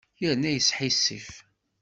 Yerna yesḥissif.